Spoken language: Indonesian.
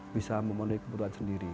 bisa memenuhi kebutuhan sendiri